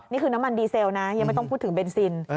นี่คือน้ำมันดีเซลนะยังไม่ต้องพูดถึงเบนซิน